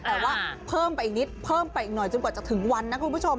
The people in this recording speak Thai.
แต่ว่าเพิ่มไปอีกนิดเพิ่มไปอีกหน่อยจนกว่าจะถึงวันนะคุณผู้ชม